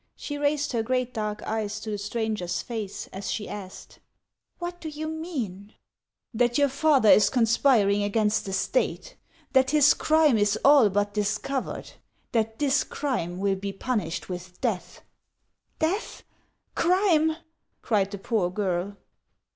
She raised her great dark eyes to the stranger's face as she asked :" What do you mean •"" That your father is conspiring against the State ; that his crime is all but discovered ; that this crime will be punished with death." "Death! crime!'' cried the poor girl.